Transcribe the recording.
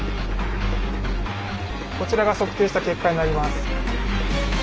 こちらが測定した結果になります。